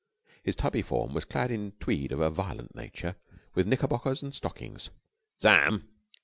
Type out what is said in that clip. His tubby form was clad in tweed of a violent nature, with knickerbockers and stockings. "Sam!"